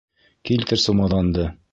Килтер сумаҙанды!